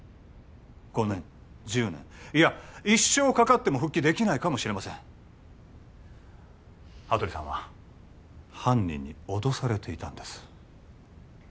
５年１０年いや一生かかっても復帰できないかもしれません羽鳥さんは犯人に脅されていたんです